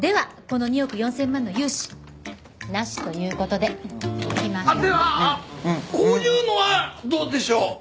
ではこういうのはどうでしょう？